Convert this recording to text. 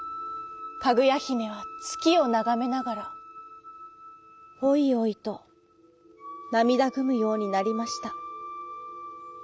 かぐやひめはつきをながめながらおいおいとなみだぐむようになりました。